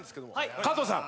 加藤さん。